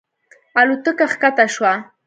الوتکه ښکته شوه.